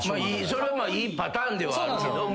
それはいいパターンではあるけど。